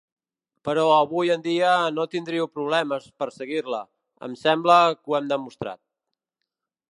Però avui en dia no tindrien problemes per seguir-la, em sembla que ho hem demostrat.